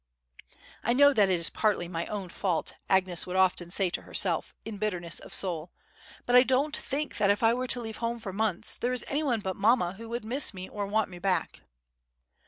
"I know that it is partly my own fault," Agnes would often say to herself, in bitterness of soul; "but I don't think that if I were to leave home for months, there is any one but mamma who would miss me or want me back."